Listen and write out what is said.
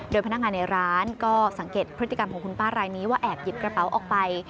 โดยพนักงานในร้านก็สังเกตพฤติกรรมของคุณป้ารายนี้ว่าแอบหยิบกระเป๋าออกไป